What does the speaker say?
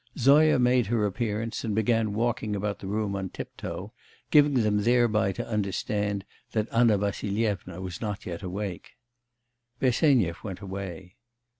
Zoya made her appearance and began walking about the room on tip toe, giving them thereby to understand that Anna Vassilyevna was not yet awake. Bersenyev went away.